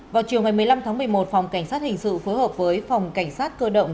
vào chiều ngày một mươi năm tháng một mươi một phòng cảnh sát hình sự phối hợp với phòng cảnh sát cơ động